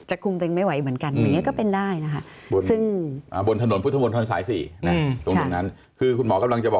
คุมตัวเองไม่ไหวเหมือนกันอย่างนี้ก็เป็นได้นะคะ